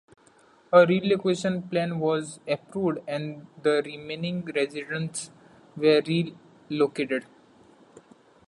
A relocation plan was approved and the remaining residents were relocated.